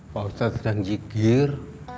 pak ustadz sedang jikir